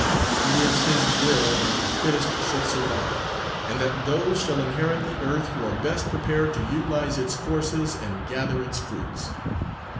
It is His will that the fittest should survive, and that those shall inherit the earth who are best prepared to utilise its forces and gather its fruits."